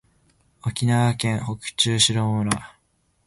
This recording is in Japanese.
沖縄県北中城村